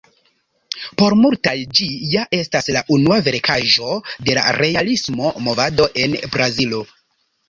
Por multaj ĝi ja estas la unua verkaĵo de la realismo movado en Brazilo.